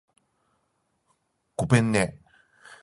ごぺんね